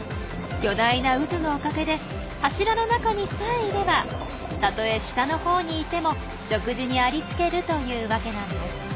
巨大な渦のおかげで柱の中にさえいればたとえ下のほうにいても食事にありつけるというわけなんです。